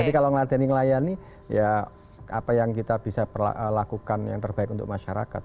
jadi kalau ngeladeni ngelayani ya apa yang kita bisa lakukan yang terbaik untuk masyarakat